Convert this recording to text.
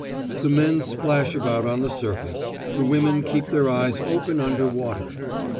The men splash about on the surface; the women keep their eyes open under water.